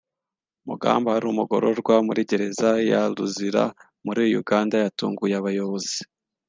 Mugamba wari umugororwa muri Gereza ya Luzira muri Uganda yatunguye abayobozi